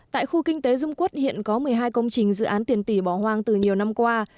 tại khu kinh tế dung quốc hiện có một mươi hai công trình dự án tiền tỷ bỏ hoang từ nhiều năm qua